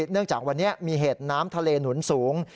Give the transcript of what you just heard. จากวันนี้มีเหตุน้ำทะเลหนุนสูง